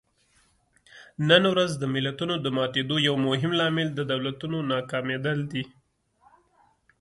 نن ورځ د ملتونو د ماتېدو یو مهم لامل د دولتونو ناکامېدل دي.